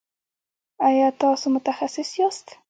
ایا تاسو متخصص یاست؟